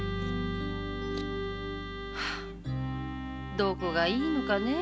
どこがいいのかねぇ